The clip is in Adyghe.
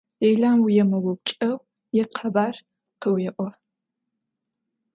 Dêlem vuêmıupçç'eu yikhebar khıuê'o.